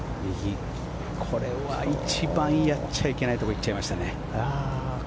これは一番やっちゃいけないところに行きましたね。